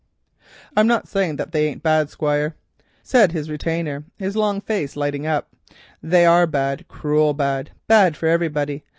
"I'm not a saying that they ain't bad, Squire," said his retainer, his long face lighting up; "they are bad, cruel bad, bad for iverybody.